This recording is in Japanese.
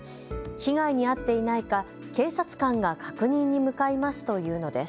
被害に遭っていないか、警察官が確認に向かいますと言うのです。